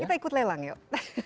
kita ikut lelang yuk